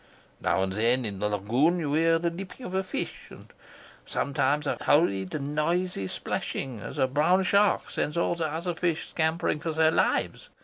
Now and then in the lagoon you hear the leaping of a fish, and sometimes a hurried noisy splashing as a brown shark sends all the other fish scampering for their lives.